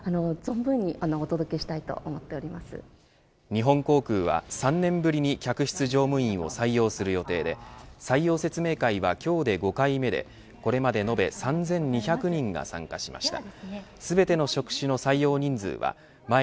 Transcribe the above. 日本航空は３年ぶりに客室乗務員を採用する予定で採用説明会は今日で５回目でこれまで延べ３２００人が参加しました。